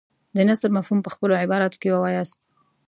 د نثر مفهوم په خپلو عباراتو کې ووایاست.